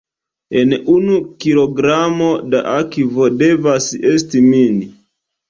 En unu kilogramo da akvo, devas esti min.